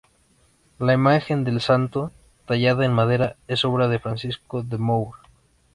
La imagen del santo, tallada en madera, es obra de Francisco de Moure.